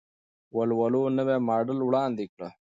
ولوو نوی ماډل وړاندې کړ.